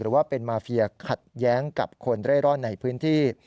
ว่าเป็นมาเฟียขัดแย้งกับคนเร่ร่อนในพื้นที่